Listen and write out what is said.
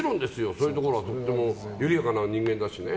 そういうところはとっても緩やかな人間だしね